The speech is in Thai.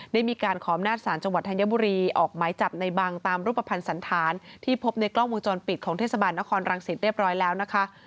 ได้มีการขออำนาจศาลจังหวัดธัญบุรีออกหมายจับในบังตามรูปภัณฑ์สันธารที่พบในกล้องวงจรปิดของเทศบาลนครรังสิตเรียบร้อยแล้วนะคะ